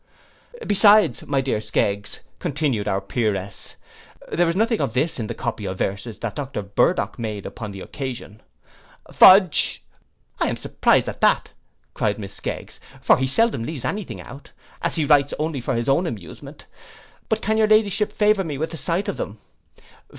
'Besides, my dear Skeggs,' continued our Peeress, 'there is nothing of this in the copy of verses that Dr Burdock made upon the occasion.' Fudge! 'I am surprised at that,' cried Miss Skeggs; 'for he seldom leaves any thing out, as he writes only for his own amusement. But can your Ladyship favour me with a sight of them?